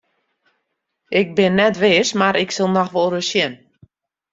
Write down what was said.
Ik bin net wis mar ik sil noch wolris sjen.